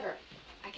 あ！